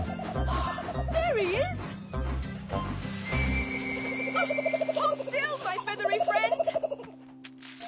あっ！